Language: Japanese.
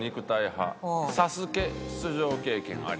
「『ＳＡＳＵＫＥ』出場経験あり」